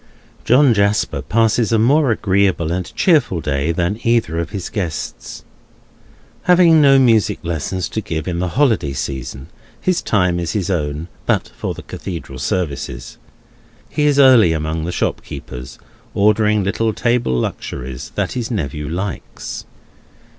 John Jasper passes a more agreeable and cheerful day than either of his guests. Having no music lessons to give in the holiday season, his time is his own, but for the Cathedral services. He is early among the shopkeepers, ordering little table luxuries that his nephew likes.